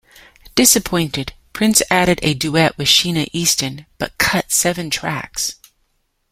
Disappointed, Prince added a duet with Sheena Easton, but cut seven tracks.